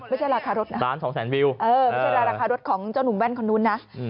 ไม่ใช่ราคารถนะเออไม่ใช่ราคารถของเจ้าหนุ่มแว่นคนนู้นนะร้าน๒แสนวิว